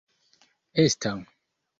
esta